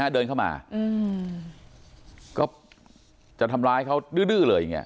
เดินเข้ามาก็จะทำร้ายเขาดื้อเลย